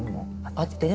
あってね